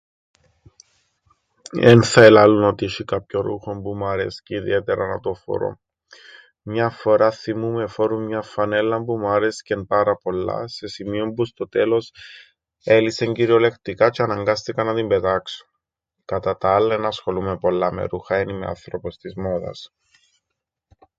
Εν θα ελάλουν ότι έσ̆ει κάποιον ρούχον που μου αρέσκει ιδιαίτερα να το φορώ. Μιαν φοράν θθυμούμαι εφόρουν μιαν φανέλλαν που μου άρεσκεν πάρα πολλά, σε σημείον που στο τέλος έλυσεν κυριολεκτικά τζ̆' αναγκάστηκα να την πετάξω. Κατά τα άλλα εν ασχολούμαι πολλά με ρούχα, εν είμαι άνθρωπος της μόδας.